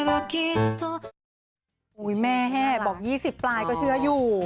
โอ้ยแม่แอฟบอกยี่สิบปลายก็เชื่ออยู่